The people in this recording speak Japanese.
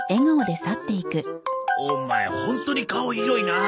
オマエホントに顔広いなあ。